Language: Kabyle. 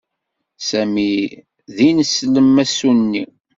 Sami d ineslem asunni.